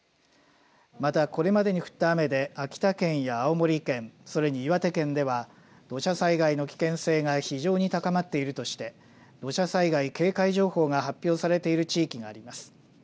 またこれまでに降った雨で秋田県や青森県それに岩手県では土砂災害の危険性が非常に高まっているとして土砂災害警戒情報が発表されている地域があります。